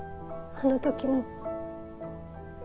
あの時も。